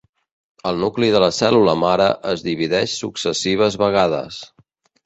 El nucli de la cèl·lula mare es divideix successives vegades.